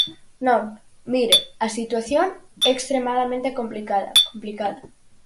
Non, mire, a situación é extremadamente complicada, complicada.